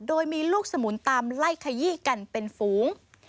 โดยมีลูกสมุนตามไล่ขยี้กันเป็นฝูง